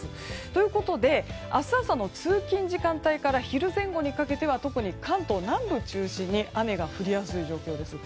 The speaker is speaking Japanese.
ということで、明日朝の通勤時間帯から昼前後にかけては特に関東南部を中心に雨が降りやすい状況です。